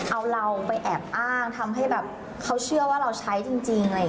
เอาเราไปแอบอ้างทำให้แบบเขาเชื่อว่าเราใช้จริง